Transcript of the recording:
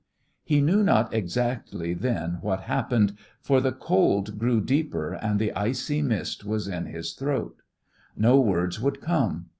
He knew not exactly then what happened, for the cold grew deeper and the icy mist was in his throat. No words would come.